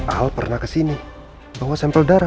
al pernah kesini bawa sampel darah